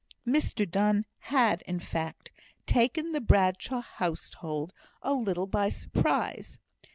Mr Donne had, in fact, taken the Bradshaw household a little by surprise.